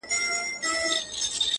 • ده آغازه دا وينا په جوش او شور کړه,